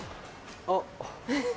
あっ。